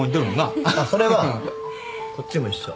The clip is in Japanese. それはこっちも一緒。